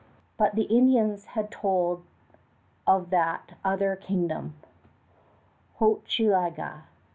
But the Indians had told of that other kingdom, Hochelaga.